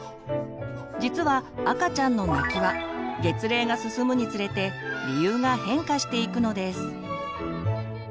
実は赤ちゃんの泣きは月齢が進むにつれて理由が変化していくのです。